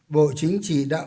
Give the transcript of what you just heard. bộ chính trị đã